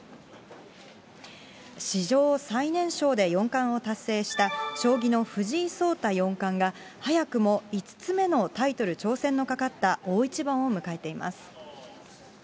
史上最年少で四冠を達成した将棋の藤井聡太四冠が、早くも５つ目のタイトル挑戦のかかった大一番を迎えています。